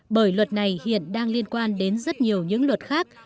bởi luật này hiện đang liên quan đến rất nhiều những luật khác